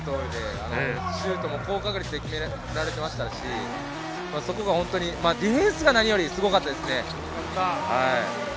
シュートも高確率で決められてましたし、ディフェンスが何よりもすごかったですね。